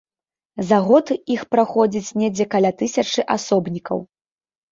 За год іх праходзіць недзе каля тысячы асобнікаў.